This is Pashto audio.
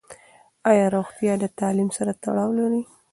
ایا روغتیا د تعلیم سره تړاو لري؟